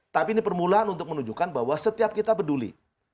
tapi ini permulaan untuk menunjukkan bahwa setiap kita peduli